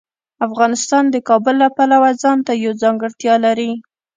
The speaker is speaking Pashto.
افغانستان د کابل له پلوه ځانته یوه ځانګړتیا لري.